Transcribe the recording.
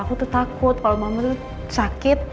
aku tuh takut kalau mama tuh sakit